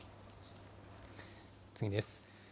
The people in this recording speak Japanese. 次です。